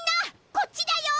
こっちだよ！